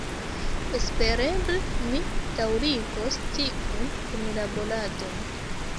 Espereble ni daŭrigos tiun kunlaboradon.